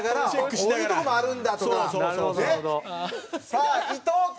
さあ伊藤君！